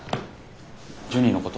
ジュニのこと？